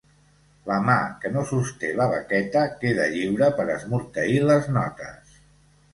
La mà que no sosté la baqueta queda lliure per esmorteir les notes.